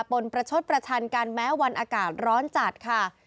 นประชดประชันกันแม้วันอากาศร้อนจัดค่ะ